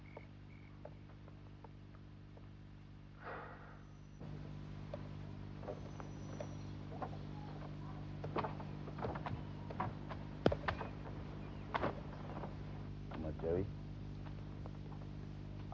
rating yang beratnya mustahil